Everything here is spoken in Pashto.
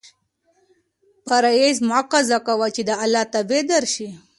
فرایض مه قضا کوه چې د اللهﷻ تابع دار شې.